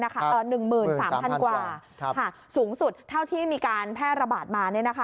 ๑๓๐๐๐กว่าสูงสุดเท่าที่มีการแพร่ระบาดมา